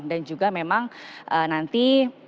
dan juga memang nanti